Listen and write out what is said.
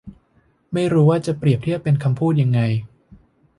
ไม่รู้ว่าจะเปรียบเทียบเป็นคำพูดยังไง